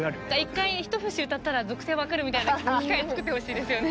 一回一節歌ったら属性分かるみたいな機械作ってほしいですよね。